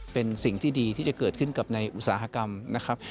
เป็นสิ่งที่ดีที่จะเกิดขึ้นกับในอุตสาหกรรมนะครับ